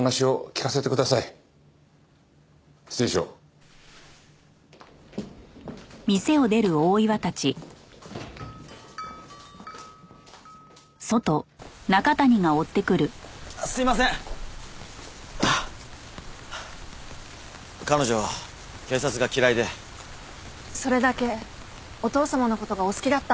それだけお父様の事がお好きだったんですよね。